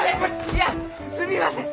いやすみません。